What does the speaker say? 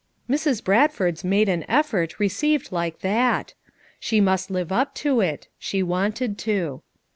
Mrs. Bradford's maiden effort received like that! She must live up to it; she wanted to.